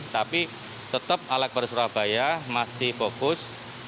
tapi tetap alat para surabaya masih fokus